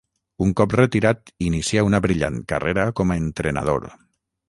Un cop retirat inicià una brillant carrera com a entrenador.